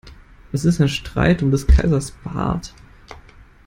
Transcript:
Es ist ein Streit um des Kaisers Bart.